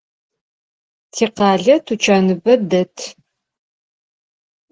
Tikhale tuçanıbe det.